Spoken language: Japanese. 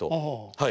はい。